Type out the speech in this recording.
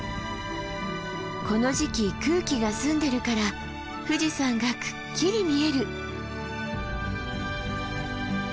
この時期空気が澄んでるから富士山がくっきり見える。